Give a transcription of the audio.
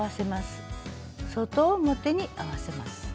外表に合わせます。